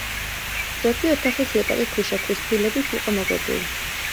ზოგი ოთახის იატაკი ქვიშაქვის ფილებით იყო მოგებული.